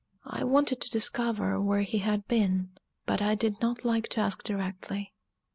I wanted to discover where he had been; but I did not like to ask directly.